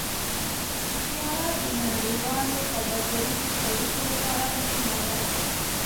طیاره د نړیوالو سوداګریزو اړیکو لپاره مهمه ده.